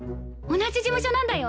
同じ事務所なんだよ。